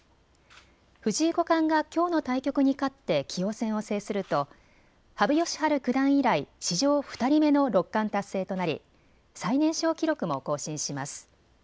藤井五冠がきょうの対局に勝って棋王戦を制すると羽生善治九段以来、史上２人目の六冠達成となり最年少記録も更新します。